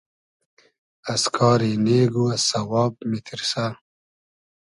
از کاری نېگ و از سئواب میتیرسۂ